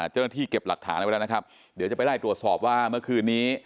เจ้าหน้าที่เก็บหลักฐานไว้แล้วนะครับเดี๋ยวจะไปไล่ตรวจสอบว่าเมื่อคืนนี้